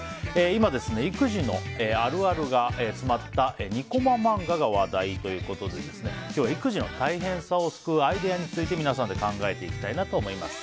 今、育児のあるあるが詰まった２コマ漫画が話題ということで今日は育児の大変さを救うアイデアについて皆さんで考えていきたいと思います。